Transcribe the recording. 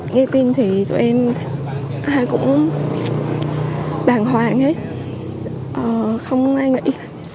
nghe tin thì tụi em cũng đàng hoàng hết không ai nghĩ